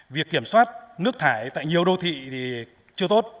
việc kiểm soát nước thải tại nhiều đô thị thì chưa tốt